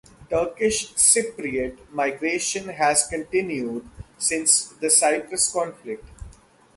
Turkish Cypriot migration has continued since the Cyprus conflict.